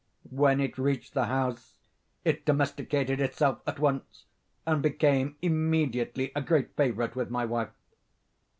When it reached the house it domesticated itself at once, and became immediately a great favorite with my wife.